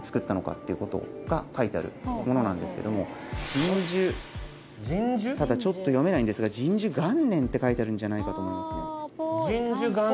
仁寿ただちょっと読めないんですが。って書いてあるんじゃないかと思いますね。